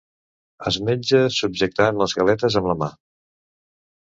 Es menja subjectant les galetes amb la mà.